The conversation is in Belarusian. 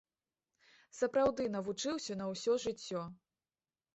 Сапраўды навучыўся на ўсё жыццё.